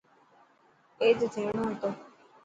اي ته ٿيهڻو هتو.